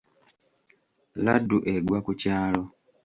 Laddu egwa ku kyalo.